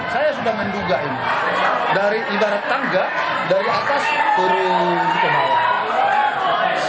saya sudah menduga ini dari ibarat tangga dari atas turun ke bawah